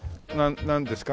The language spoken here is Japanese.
なんですか？